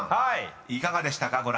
［いかがでしたか？